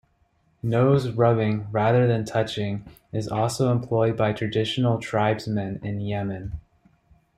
Nose rubbing, rather than touching, is also employed by traditional tribesmen in Yemen.